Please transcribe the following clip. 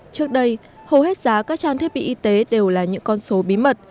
trước đây hầu hết giá các trang thiết bị y tế đều là những con số bí mật